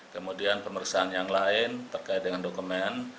kemudian pemeriksaan yang lain terkait dengan dokumen